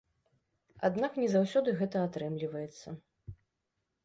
Аднак, не заўсёды гэта атрымліваецца.